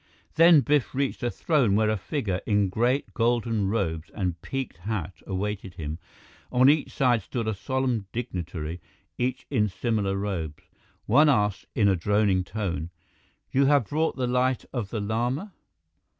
Then Biff reached a throne where a figure in great golden robes and peaked hat awaited him. On each side stood a solemn dignitary, each in similar robes. One asked in a droning tone, "You have brought the Light of the Lama?"